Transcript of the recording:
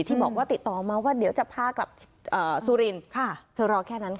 ที่บอกว่าติดต่อมาว่าเดี๋ยวจะพากลับซุรินทร์